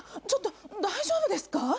ちょっと大丈夫ですか？